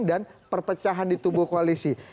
dan perpecahan di tubuh koalisi